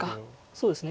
そうですね